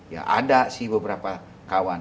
ya ada sih beberapa kawan